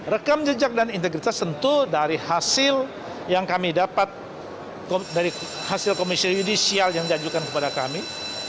rekam jejak dan integritas tentu dari hasil yang kami dapat dari hasil komisi yudisial yang diajukan kepada kami